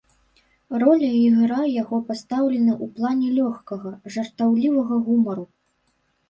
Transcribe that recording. Роля і ігра яго пастаўлены ў плане лёгкага, жартаўлівага гумару.